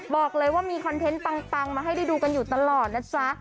บอกเลยว่ามีคอนเทนต์ปังมาให้ได้ดูกันอยู่ตลอดนะจ๊ะ